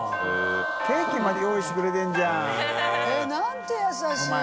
ケーキまで用意してくれてるじゃん。）なんて優しい。